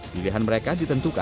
pilihan mereka ditentukan